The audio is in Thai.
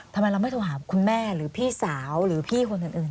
ทำไมเราไม่โทรหาคุณแม่หรือพี่สาวหรือพี่คนอื่น